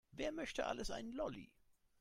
Wer möchte alles einen Lolli?